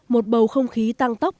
một bầu không khí tăng tóc